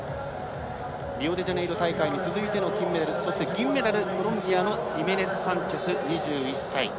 リオデジャネイロ大会に続いての金メダルそして銀メダル、コロンビアのヒメネスサンチェス、２１歳。